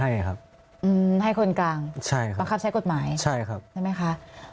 ใช่ครับให้คนกลางใช่ครับบังคับใช้กฎหมายใช่ครับใช่ไหมคะ